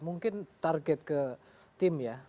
mungkin target ke tim ya